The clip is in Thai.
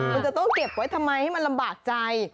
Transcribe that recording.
มันจะต้องเก็บไว้ทำไมให้มันลำบากใจ